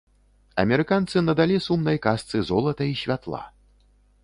Амерыканцы надалі сумнай казцы золата і святла.